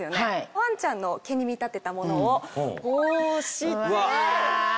ワンちゃんの毛に見立てたものをこうして。